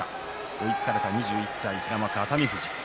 追いつかれた２１歳平幕の熱海富士。